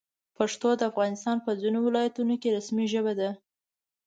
پښتو د افغانستان په ځینو ولایتونو کې رسمي ژبه ده.